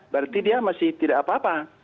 berarti dia masih tidak apa apa